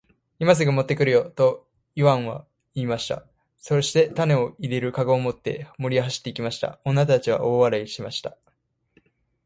「今すぐ持って来るよ。」とイワンは言いました。そして種を入れる籠を持って森へ走って行きました。女たちは大笑いしました。